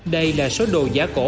đây là số đồ giả cổ